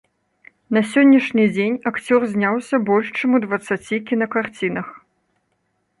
На сённяшні дзень акцёр зняўся больш чым у дваццаці кінакарцінах.